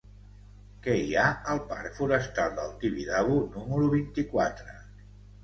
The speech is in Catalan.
Què hi ha al parc Forestal del Tibidabo número vint-i-quatre?